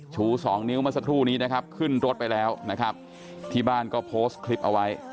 ชูสองนิ้วเมื่อสักครู่นี้นะครับขึ้นรถไปแล้วนะครับที่บ้านก็โพสต์คลิปเอาไว้